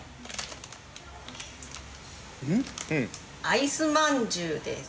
アイスまんじゅうです。